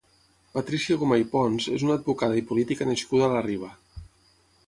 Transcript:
Patrícia Gomà i Pons és una advocada i política nascuda a la Riba.